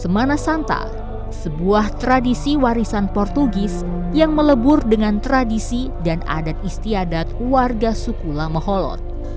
semana santa sebuah tradisi warisan portugis yang melebur dengan tradisi dan adat istiadat warga suku lamaholot